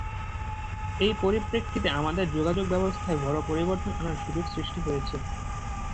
এই পরিপ্রেক্ষিতে আমাদের যোগাযোগব্যবস্থায় বড় পরিবর্তন আনার সুযোগ সৃষ্টি হয়েছে।